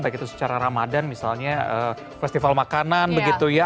baik itu secara ramadan misalnya festival makanan begitu ya